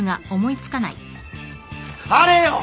あれよ！